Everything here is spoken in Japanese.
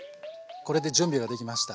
これで準備ができました。